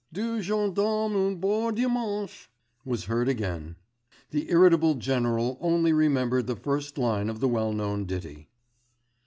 'Deux gendarmes un beau dimanche!' was heard again. The irritable general only remembered the first line of the well known ditty.